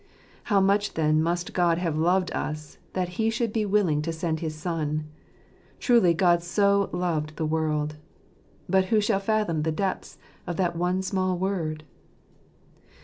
How much, then, must God have loved us, that He should be willing to send his Son ! Truly God so loved the world ! But who shall fathom the depths of that one small word